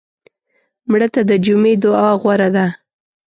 مړه ته د جمعې دعا غوره ده